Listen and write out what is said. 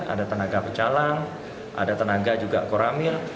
ada tenaga pecalang ada tenaga juga koramil